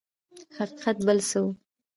حقیقت بل څه و.